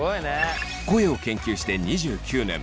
声を研究して２９年。